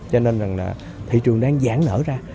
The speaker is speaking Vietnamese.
cho nên là thị trường đang giãn nở ra